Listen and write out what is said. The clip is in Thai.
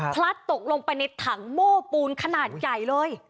พลัดตกลงไปในถังโม้ปูนขนาดใหญ่เลย